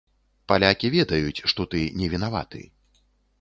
Палякі ведаюць, што ты невінаваты.